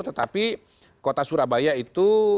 tetapi kota surabaya itu